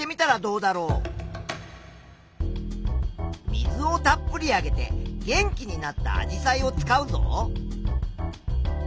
水をたっぷりあげて元気になったアジサイを使うぞ。